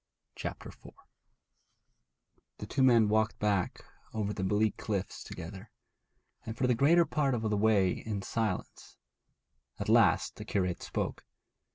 CHAPTER IV The two men walked back over the bleak cliffs together, and for the greater part of the way in silence; at last the curate spoke.